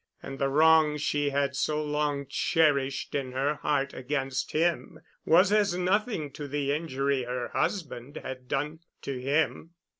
And the wrong she had so long cherished in her heart against him was as nothing to the injury her husband had done to him.